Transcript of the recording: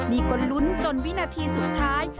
นี่ก็ลุ้นจนวินาทีสุดท้าย